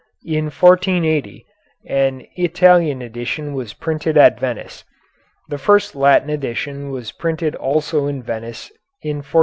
In 1480 an Italian edition was printed at Venice. The first Latin edition was printed also in Venice in 1490.